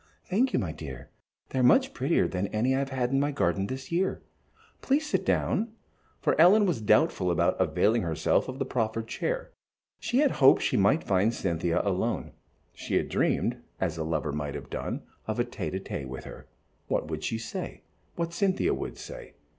"Thank you, my dear. They are much prettier than any I have had in my garden this year. Please sit down," for Ellen was doubtful about availing herself of the proffered chair. She had so hoped that she might find Cynthia alone. She had dreamed, as a lover might have done, of a tête à tête with her, what she would say, what Cynthia would say.